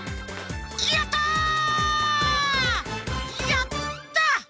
やった！